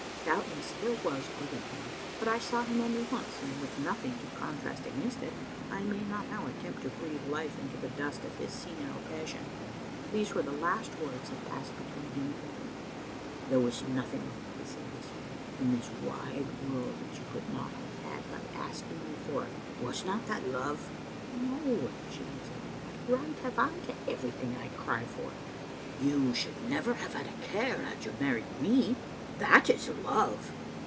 Doubtless there was good in him, but I saw him only once ; and with nothing to contrast against it, I may not now attempt to breathe life into the dust of his senile passion. These were the last words that passed between him and Babbie: " There was nothing," he said wistfully, " in this wide world that you could not have had by asking me for it. Was not that love?" " No," she answered. "What right have I to every thing I cry for?" " You should never have had a care had you married me. That is love.